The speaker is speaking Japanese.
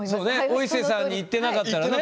お伊勢さんに行ってなかったらね。